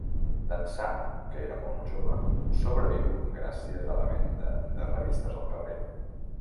D'ençà que era molt jove, sobreviu gràcies a la venda de revistes al carrer.